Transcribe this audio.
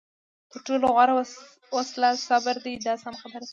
تر ټولو غوره وسله صبر دی دا سمه خبره ده.